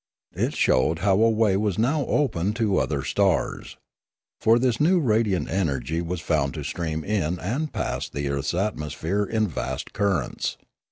It showed how a way was now opened to other stars. For this new radiant energy was found to stream in and past the earth's atmosphere in vast currents.